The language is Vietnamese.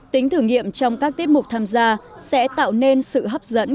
tính thử nghiệm trong các tiết mục tham gia sẽ tạo nên sự hấp dẫn